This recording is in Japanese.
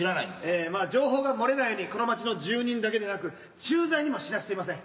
ええ情報が漏れないようにこの町の住人だけでなく駐在にも知らしていません。